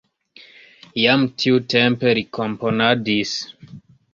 Jam tiutempe li komponadis.